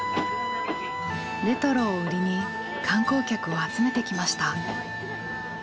レトロを売りに観光客を集めてきました。